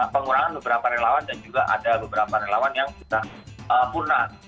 pengurangan beberapa relawan dan juga ada beberapa relawan yang sudah purna